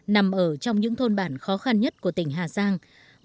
nằm ở trong những thôn bản khó khăn nhất của tỉnh hà giang